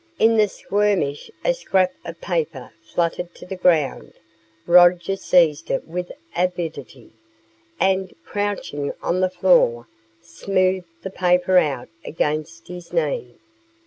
In the skirmish a scrap of paper fluttered to the ground. Roger seized it with avidity, and, crouching on the floor, smoothed the paper out against his knee.